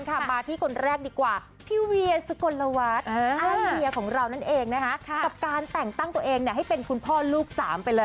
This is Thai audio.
กับการแต่งตั้งตัวเองให้เป็นคุณพ่อลูกสามไปเลย